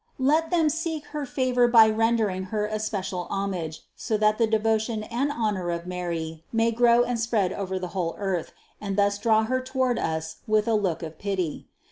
Let them seek her favor by rendering Her especial homage, so that the de votion and honor of Mary may grow and spread over the whole earth and thus draw Her toward us with a look of pity.